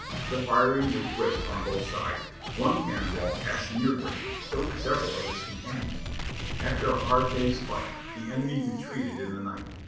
The firing was brisk on both sides. One cannon ball passed near Grant, killing several of his companions. After a hard day's fight, the enemy retreated in the night.